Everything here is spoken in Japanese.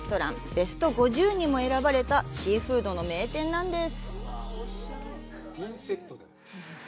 ベスト５０にも選ばれたシーフードの名店なんです。